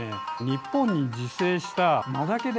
日本に自生した真竹で。